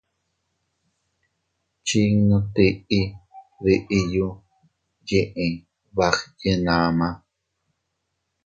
Chinnu tiʼi diyu yiʼi bagyenama.